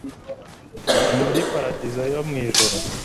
muri paradizo yo mwijuru